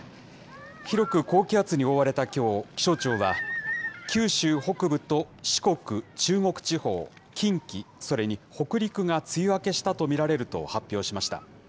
広く高気圧に覆われたきょう、気象庁は、九州北部と四国、中国地方、近畿、それに北陸が梅雨明けしたと見られると発表しました。